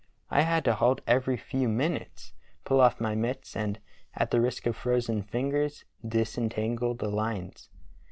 I had to halt every few minutes, pull off my mitts, and at the risk of frozen fingers dis entangle the lines.